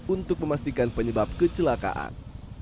untuk memastikan penyebab kecelakaan